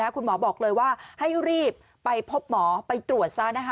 คุณหมอบอกเลยว่าให้รีบไปพบหมอไปตรวจซะ